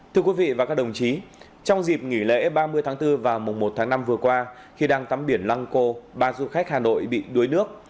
thưa quý vị và các đồng chí trong dịp nghỉ lễ ba mươi tháng bốn và mùa một tháng năm vừa qua khi đang tắm biển lăng cô ba du khách hà nội bị đuối nước